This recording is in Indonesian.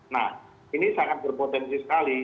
nah ini sangat berpotensi sekali